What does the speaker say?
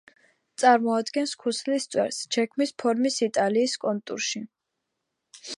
წარმოადგენს „ქუსლის წვერს“ ჩექმის ფორმის იტალიის კონტურში.